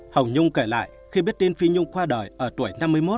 hồng nhung kể lại khi biết tin phi nhung qua đời ở tuổi năm mươi một